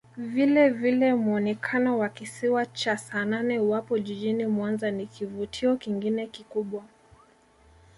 Vilevile muonekano wa Kisiwa cha Saanane uwapo jijini Mwanza ni kivutio kingine kikubwa